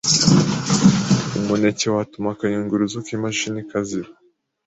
umuneke watuma akayunguruzo k’imashini kaziba,